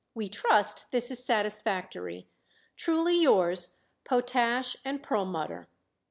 We trust this is satisfactory. Truly yours, POTASH & PERLMUTTER.